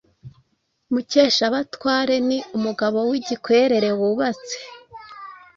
Mukeshabatware ni umugabo w’igikwerere wubatse